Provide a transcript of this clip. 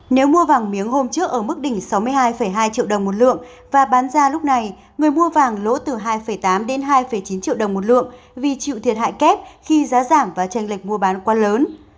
nếu mua vàng miếng hôm trước ở mức đỉnh sáu mươi hai hai triệu đồng một lượng và bán ra lúc này người mua vàng lỗ từ hai tám đến hai chín triệu đồng một lượng vì chịu thiệt hại kép khi giá giảm và tranh lệch mua bán quá lớn